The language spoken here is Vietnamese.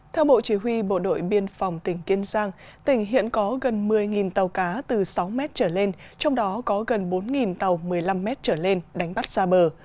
theo bộ chỉ huy bộ đội biên phòng tỉnh kiên giang tỉnh hiện có gần một mươi tàu cá từ sáu m trở lên trong đó có gần bốn tàu một mươi năm m trở lên đánh bắt xa bờ